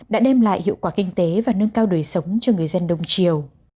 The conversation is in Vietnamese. đã đem lại hiệu quả kinh tế và nâng cao đời sống cho người dân đông triều